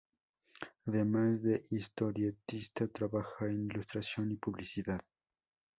Además de historietista, trabaja en ilustración y publicidad.